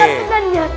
kota penan ya